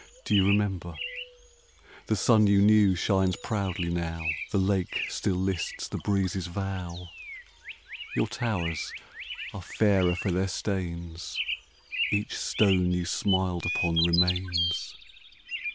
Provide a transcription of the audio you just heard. do you remember? The sun you knew shines proudly now The lake still lists the breezes' vow; Your towers are fairer for their stains, Each stone you smiled upon remains.